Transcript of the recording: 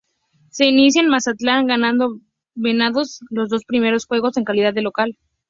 Se inició en Mazatlán, ganando Venados los dos primeros juegos en calidad de local.